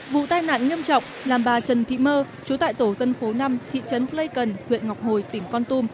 vụ tai nạn nghiêm trọng làm bà trần thị mơ chú tại tổ dân phố năm thị trấn pleikon huyện ngọc hồi tỉnh con tum